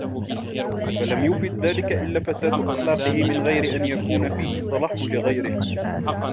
فَلَمْ يَفِدْ ذَلِكَ إلَّا فَسَادَ أَخْلَاقِهِ مِنْ غَيْرِ أَنْ يَكُونَ فِيهِ صَلَاحٌ لِغَيْرِهِ